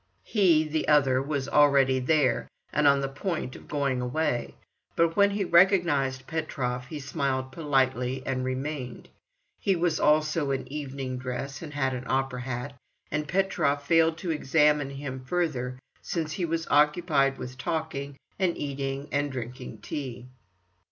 He, the other, was already there, and on the point of going away; but when he recognized Petrov, he smiled politely, and remained. He was also in evening dress and had an opera hat, and Petrov failed to examine him further since he was occupied with talking, and eating, and drinking tea.